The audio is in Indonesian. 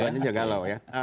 dua duanya juga galau ya